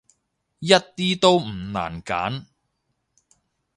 一啲都唔難揀